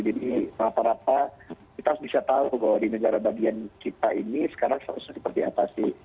jadi rata rata kita bisa tahu bahwa di negara bagian kita ini sekarang seharusnya seperti apa sih